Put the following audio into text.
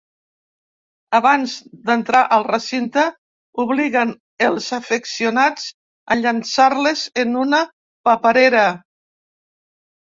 Abans d’entrar al recinte, obliguen els afeccionats a llançar-les en una paperera.